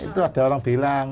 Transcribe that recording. itu ada orang bilang